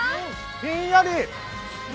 ひんやり。